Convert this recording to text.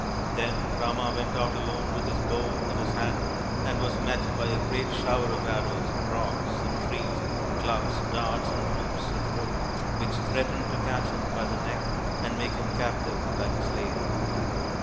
Then Rama went out alone with his bow in his hand and was met by a great shower of arrows, rocks, and trees, clubs, darts, and loops of rope which threatened to catch him by the neck and make him captive like a slave.